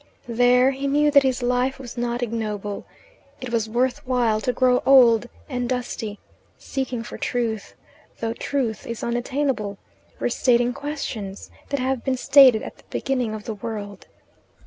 There he knew that his life was not ignoble. It was worth while to grow old and dusty seeking for truth though truth is unattainable, restating questions that have been stated at the beginning of the world.